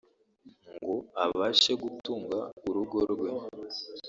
ngo abashe gutunga urugo rwe